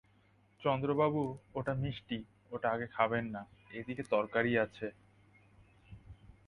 চন্দ্রবাবু, ওটা মিষ্টি, ওটা আগে খাবেন না, এই দিকে তরকারি আছে।